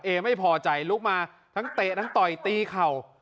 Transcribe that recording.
เอไม่พอใจลุกมาทั้งเตะทั้งต่อยตีเข่า